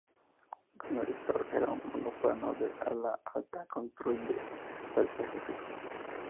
Como el Storch, era un monoplano de ala alta con tren de aterrizaje fijo.